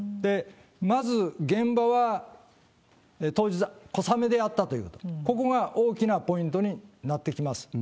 まず現場は当日、小雨であったということ、ここが大きなポイントになってきます。